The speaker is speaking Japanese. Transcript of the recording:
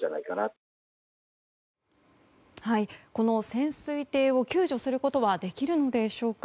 潜水艇を救助することはできるのでしょうか。